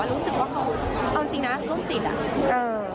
รู้สึกว่าเขาเอาจริงนะโรคจิตอ่ะ